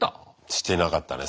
してなかったね。